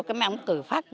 cái mấy ông cười phát